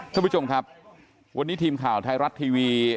ท่านผู้ชมครับวันนี้ทีมข่าวไทยรัฐทีวี